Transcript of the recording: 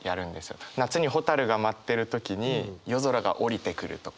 夏にホタルが舞ってる時に夜空が降りてくるとか。